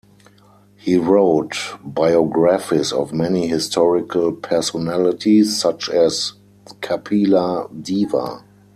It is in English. He wrote biographies of many historical personalities, such as "Kapila Deva".